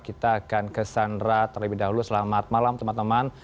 kita akan ke sandra terlebih dahulu selamat malam teman teman